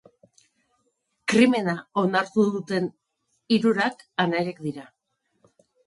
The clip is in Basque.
Krimena onartu duten hirurak anaiak dira.